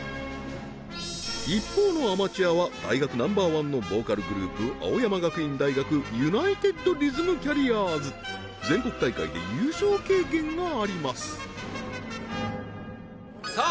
一方のアマチュアは大学ナンバーワンのボーカルグループ青山学院大学ユナイテッド・リズム・キャリアーズ全国大会で優勝経験がありますさあ